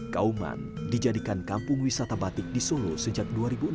kauman dijadikan kampung wisata batik di solo sejak dua ribu enam